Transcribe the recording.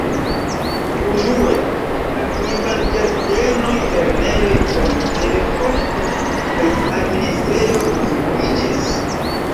Unue la infanĝardenoj, lernejoj, policejo, poŝto kaj administrejo konstruiĝis.